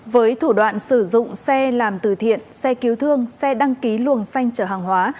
với thủ đoạn sử dụng xe làm từ thiện xe cứu thương xe đăng ký luồng xanh chở hàng hóa